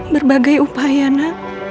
berbagai upaya na